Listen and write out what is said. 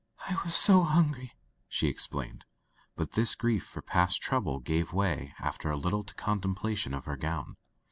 "I was so hungry," she explained. But this grief for past trouble gave way after a little to contemplation of her gown.